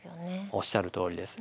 おっしゃるとおりです。